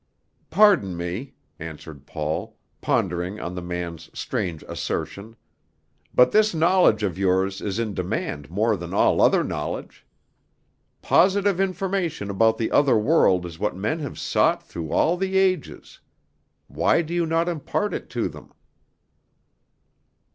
"Pardon me," answered Paul, pondering on the man's strange assertion; "but this knowledge of yours is in demand more than all other knowledge. Positive information about the other world is what men have sought through all the ages; why do you not impart it to them?"